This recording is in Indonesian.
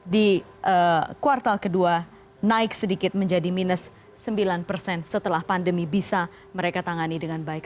di kuartal kedua naik sedikit menjadi minus sembilan persen setelah pandemi bisa mereka tangani dengan baik